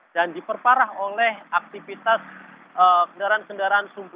dan diperparah oleh aktivitas kendaraan kendaraan sumbu